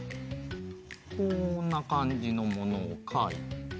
こんなかんじのものをかいて。